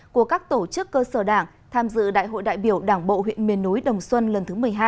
của các tổ chức cơ sở đảng tham dự đại hội đại biểu đảng bộ huyện miền núi đồng xuân lần thứ một mươi hai